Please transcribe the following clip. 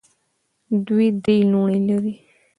دوی درې لوڼې لري.